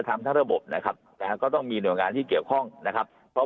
ทำทั้งระบบนะครับนะฮะก็ต้องมีหน่วยงานที่เกี่ยวข้องนะครับเพราะ